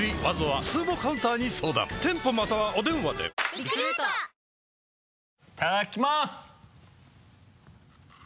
いただきます！